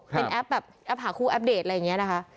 เป็นแอปแบบแอปหาคู่อัปเดตอะไรอย่างนี้นะคะ